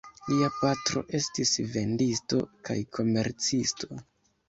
Lia patro estis vendisto kaj komercisto.